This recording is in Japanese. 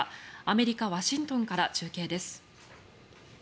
アメリカ・ワシントンから中継です。